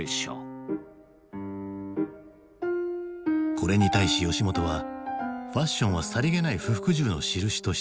これに対し吉本は「ファッションはさりげない不服従のしるし」として一蹴。